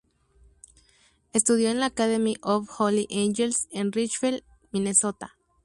Estudió en la Academy of Holy Angels en Richfield, Minnesota.